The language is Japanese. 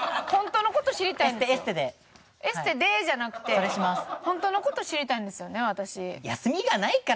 「エステで」じゃなくて本当の事知りたいんですよね私。